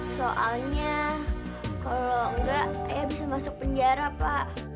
soalnya kalau enggak ayah bisa masuk penjara pak